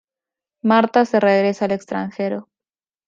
Marta se regresa al extranjero.